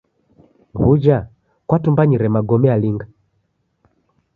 W'uja kwatumbanyire magome alinga?